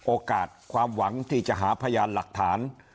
โอกาสความหวังที่จะหาพยานหลักฐาน